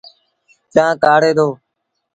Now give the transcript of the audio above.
چآنه ڪآڙي دو۔